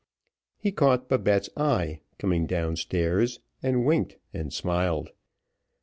He caught Babette's eye, coming down stairs, and winked and smiled.